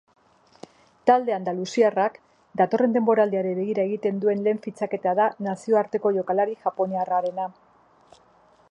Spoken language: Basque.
Talde andaluziarrak datorren denboraldiari begira egiten duen lehen fitxaketa da nazioarteko jokalari japoniarrarena.